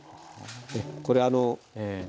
これあの。